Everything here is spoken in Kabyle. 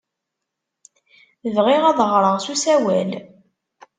Bɣiɣ ad ɣreɣ s usawal.